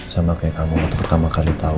sama kayak kamu waktu pertama kali tau